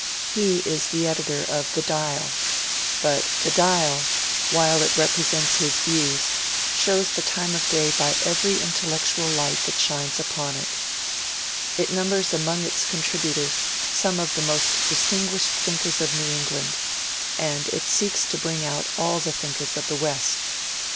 He is the editor of " The Dial," but « The Dial," while it represents his views, shows the time of day by every intellectu^ light that shines upon it. It numbers amone its contributors some of the most distinguished thinkers of New England, and it seeks to bring out all the thinkers of the West.